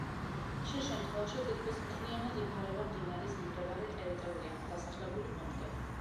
ხშირ შემთხვევაში თითქმის მთლიანად იფარება მდინარის მიმდებარე ტერიტორია, დასახლებული პუნქტები.